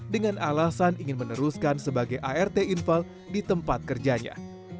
dengan alasan ingin meneruskan sebagai art infal di tempat kerjanya